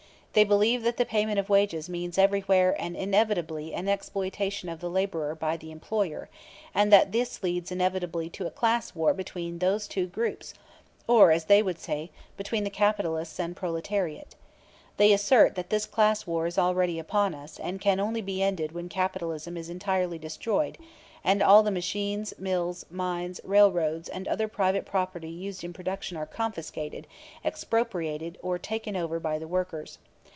They believe that the payment of wages means everywhere and inevitably an exploitation of the laborer by the employer, and that this leads inevitably to a class war between those two groups, or, as they would say, between the capitalists and the proletariat. They assert that this class war is already upon us and can only be ended when capitalism is entirely destroyed and all the machines, mills, mines, railroads and other private property used in production are confiscated, expropriated or taken over by the workers.